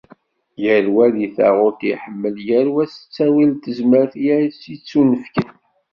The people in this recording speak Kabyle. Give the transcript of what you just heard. Yal wa deg taɣult i iḥemmel, yal wa s ttawil d tezmert i as-yettunefken.